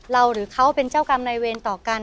หรือเขาเป็นเจ้ากรรมนายเวรต่อกัน